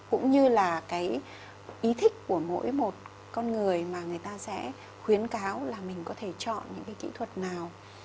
cũng như là cái ý thích của mỗi một con người mà người ta sẽ khuyến cáo là mình có thể chọn những cái kỹ thuật nào